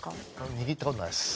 握った事ないです。